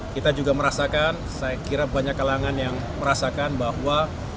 kita juga merasakan saya kira banyak kalangan yang merasakan bahwa